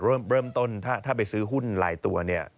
เริ่มต้นถ้าไปซื้อหุ้นลายตัวเนี่ย